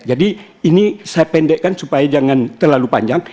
jadi ini saya pendekkan supaya jangan terlalu panjang